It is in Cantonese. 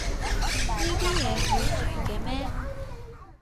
呢啲嘢要提嘅咩